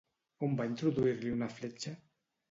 On va introduir-li una fletxa?